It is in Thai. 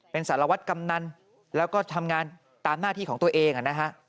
เป็นสารวัตรกำนันแล้วก็ทำงานตามหน้าที่ของตัวเองนะฮะ